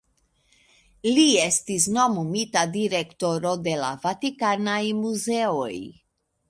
Li estis nomumita direktoro de la Vatikanaj muzeoj.